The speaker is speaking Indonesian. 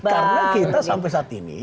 karena kita sampai saat ini